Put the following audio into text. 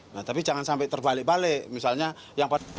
nah tapi jangan sampai terbalik balik misalnya yang pada